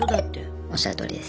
おっしゃるとおりです。